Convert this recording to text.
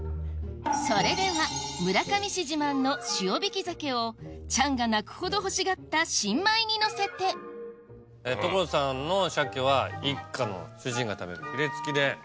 それでは村上市自慢の塩引き鮭をチャンが泣くほど欲しがった新米にのせて所さんの鮭は一家の主人が食べるヒレつきで。